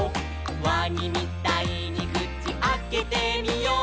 「わにみたいにくちあけてみよう」